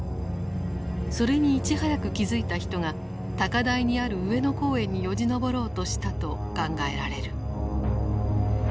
それにいち早く気付いた人が高台にある上野公園によじ登ろうとしたと考えられる。